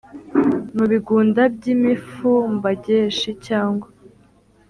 Mu bigunda by'imifumbageshi cyangwa